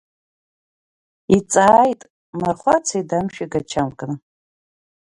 Иҵааит Мархәаци Дамшәи гачамкны.